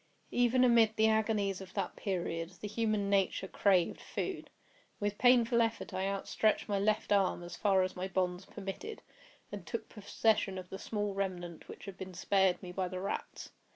Even amid the agonies of that period, the human nature craved food. With painful effort I outstretched my left arm as far as my bonds permitted, and took possession of the small remnant which had been spared me by the rats.